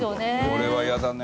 これはイヤだね！